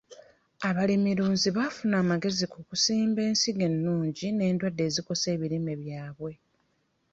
Abalimilunzi bafuna amagezi ku kusimba ensigo ennungi n'endwadde ezikosa ebirime byabwe.